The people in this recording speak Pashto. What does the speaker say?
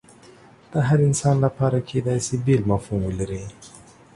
د هر انسان لپاره کیدای شي بیل مفهوم ولري